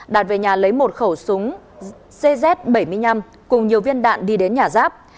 đạt về nhà lấy một khẩu súng cz bảy mươi năm cùng nhiều viên đạn đi đến nhà giáp